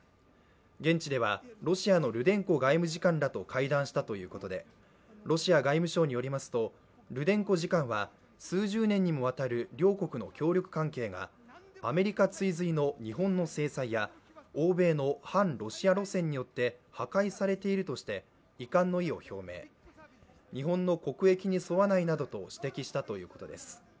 現地ではロシアのルデンコ外務次官らと会談したということでロシア外務省によりますとルデンコ次官は数十年にもわたる両国の協力関係がアメリカ追随の日本の制裁や欧米の反ロシア路線によって破壊されているとして遺憾の意を表明、日本の国益に沿わないなどと指摘したということです。